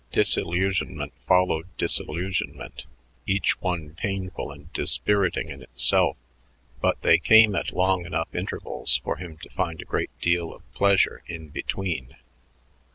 Disillusionment followed disillusionment, each one painful and dispiriting in itself, but they came at long enough intervals for him to find a great deal of pleasure in between.